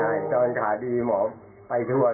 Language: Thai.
ใช่ตอนขาดีหมอไปทั่ว